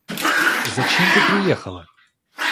Зачем ты приехала?